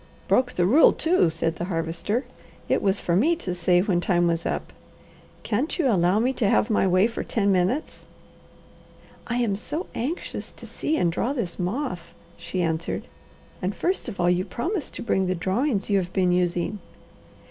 "Broke the rule, too!" said the Harvester. "It was, for me to say when time was up. Can't you allow me to have my way for ten minutes?" "I am so anxious to see and draw this moth," she answered. "And first of all you promised to bring the drawings you have been using."